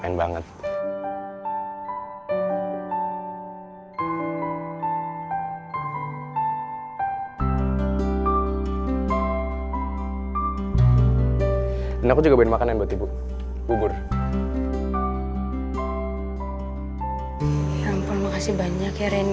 yang bener yang bener yang bener